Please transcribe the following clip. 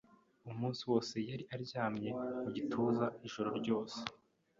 Umunsi wose yari aryamye mu gituza Ijoro ryose